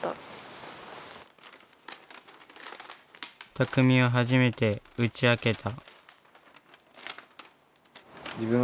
たくみは初めて打ち明けた。